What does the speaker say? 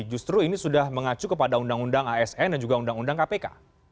justru ini sudah mengacu kepada undang undang asn dan juga undang undang kpk